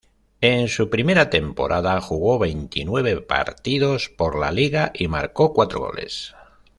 En su primera temporada, jugó veintinueve partidos por la liga y marcó cuatro goles.